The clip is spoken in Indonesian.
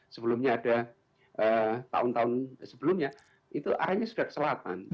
sebelumnya ada tahun tahun sebelumnya itu arahnya sudah ke selatan